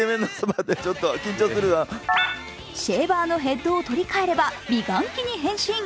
シェーバーのヘッドを取り替えれば美顔器に変身。